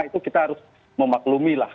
itu kita harus memaklumi lah